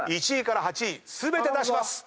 １位から８位全て出します。